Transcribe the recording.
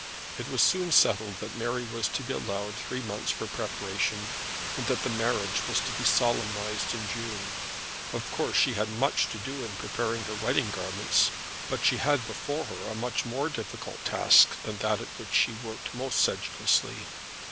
It was soon settled that Mary was to be allowed three months for preparation, and that the marriage was to be solemnized in June. Of course she had much to do in preparing her wedding garments, but she had before her a much more difficult task than that at which she worked most sedulously.